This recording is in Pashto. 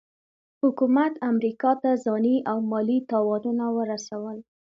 حکومت امریکا ته ځاني او مالي تاوانونه ورسول.